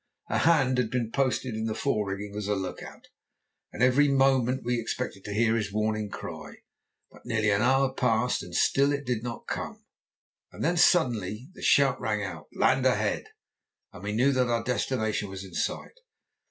A hand had been posted in the fore rigging as a look out, and every moment we expected to hear his warning cry; but nearly an hour passed, and still it did not come. Then suddenly the shout rang out, "Land ahead!" and we knew that our destination was in sight.